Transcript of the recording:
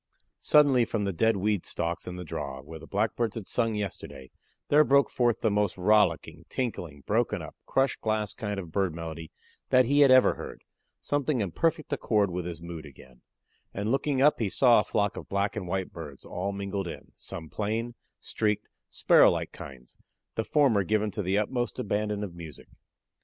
Suddenly from the dead weed stalks in the draw, where the Blackbirds had sung yesterday, there broke forth the most rollicking, tinkling, broken up, crushed glass kind of bird melody that he had ever heard something in perfect accord with his mood again; and looking up he saw a flock of black and white birds all mingled in, some plain, streaked, sparrow like kinds the former given to the utmost abandon of music.